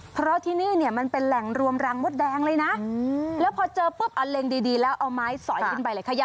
เพราะที่นี่เนี่ยมันเป็นแหล่งรวมรังมดแดงเลยนะแล้วพอเจอปุ๊บเอาเล็งดีแล้วเอาไม้สอยขึ้นไปเลยค่ะ